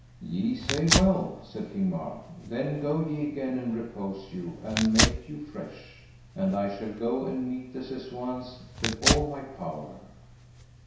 Ye say well, said King Mark; then go ye again and repose you and make you fresh, and I shall go and meet the Sessoins with all my power.